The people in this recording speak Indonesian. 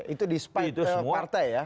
itu despite partai ya